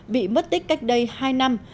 bị mất tích cách đây hai năm